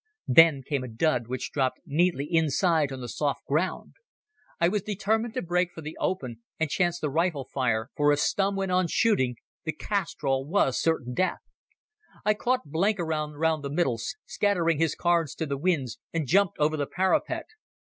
Then came a dud which dropped neatly inside on the soft ground. I was determined to break for the open and chance the rifle fire, for if Stumm went on shooting the castrol was certain death. I caught Blenkiron round the middle, scattering his cards to the winds, and jumped over the parapet.